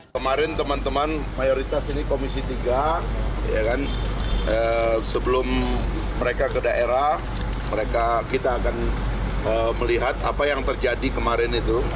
kemarin teman teman mayoritas ini komisi tiga sebelum mereka ke daerah mereka kita akan melihat apa yang terjadi kemarin itu